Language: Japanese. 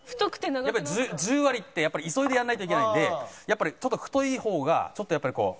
やっぱり十割って急いでやらないといけないんでやっぱりちょっと太い方がちょっとやっぱりこう。